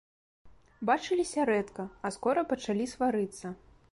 Бачыліся рэдка, а скора пачалі сварыцца.